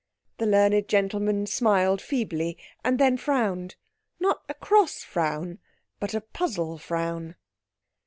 The learned gentleman smiled feebly and then frowned—not a cross frown, but a puzzle frown.